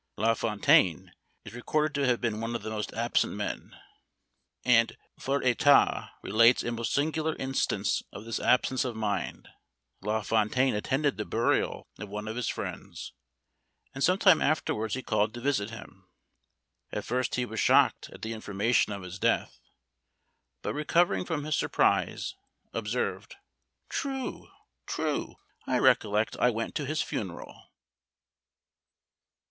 La Fontaine is recorded to have been one of the most absent men; and Furetière relates a most singular instance of this absence of mind. La Fontaine attended the burial of one of his friends, and some time afterwards he called to visit him. At first he was shocked at the information of his death; but recovering from his surprise, observed "True! true! I recollect I went to his funeral."